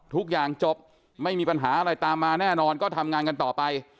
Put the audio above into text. ทุกอย่างจบไม่มีปัญหาอะไรตามมาแน่นอนก็ทำงานกันต่อไป